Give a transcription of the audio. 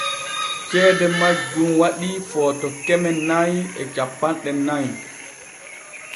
Ceede majjun waɗii Footo keme nay e cappanɗe nay.